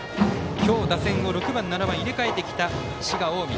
今日、打線を６番、７番入れ替えてきた滋賀・近江。